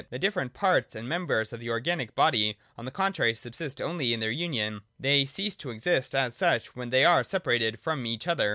The different parts and members of an organic body on the contrary subsist only in their union : they cease to exist as such, when they are separated from each other.